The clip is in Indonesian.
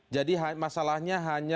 jadi masalahnya hanya kekurangan